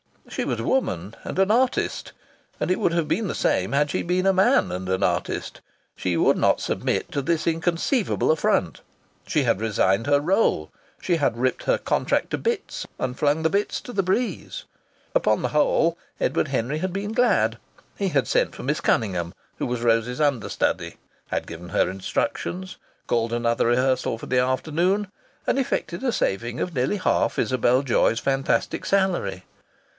She was a woman and an artist, and it would have been the same had she been a man and an artist. She would not submit to this inconceivable affront. She had resigned her rôle. She had ripped her contract to bits and flung the bits to the breeze. Upon the whole Edward Henry had been glad. He had sent for Miss Cunningham, who was Rose's understudy, had given her her instructions, called another rehearsal for the afternoon, and effected a saving of nearly half Isabel Joy's fantastic salary.